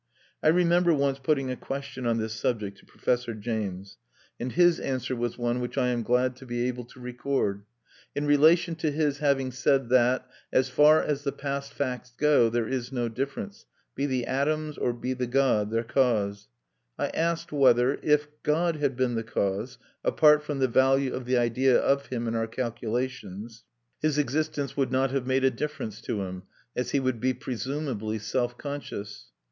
I remember once putting a question on this subject to Professor James; and his answer was one which I am glad to be able to record. In relation to his having said that "as far as the past facts go, there is no difference ... be the atoms or be the God their cause," I asked whether, if God had been the cause, apart from the value of the idea of him in our calculations, his existence would not have made a difference to him, as he would be presumably self conscious.